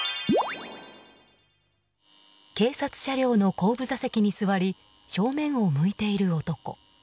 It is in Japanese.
警察車両の後部座席に座り正面を向いている男。